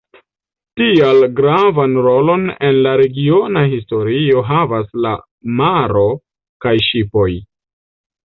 Tial gravan rolon en la regiona historio havas la maro kaj ŝipoj.